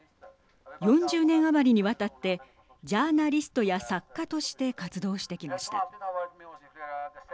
４０年余りにわたってジャーナリストや作家として活動してきました。